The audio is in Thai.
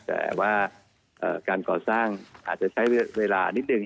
แต่ว่าการก่อสร้างอาจจะใช้เวลานิดนึง